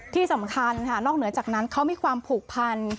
ที่สำคัญค่ะนอกเหนือจากนั้นเขามีความผูกพัน